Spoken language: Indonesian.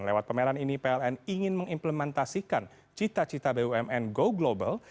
lewat pameran ini pln ingin mengimplementasikan cita cita bumn go global